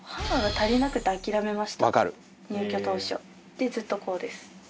でずっとこうです。